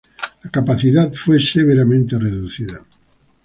La capacidad fue severamente reducida.